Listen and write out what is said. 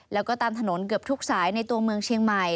แล้วก็ตามถนนเกือบทุกสายในตัวเมืองเชียงใหม่